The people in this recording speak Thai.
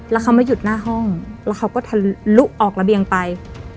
แล้วเขามาหยุดหน้าห้องแล้วเขาก็ทะลุออกระเบียงไป